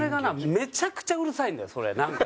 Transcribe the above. めちゃくちゃうるさいんだよなんか。